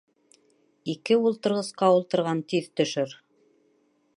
Ике ултырғысҡа ултырған тиҙ төшөр.